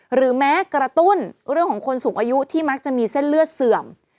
หรือแม้กระตุ้นเรื่องของคนสูงอายุที่มักจะมีเส้นเลือดเสื่อม